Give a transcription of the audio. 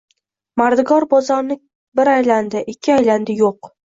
Mardikor bozorni bir aylandi, ikki aylandi yo‘q